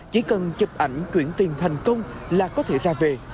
chỉ cần chụp ảnh chuyển tiền thành công là có thể ra về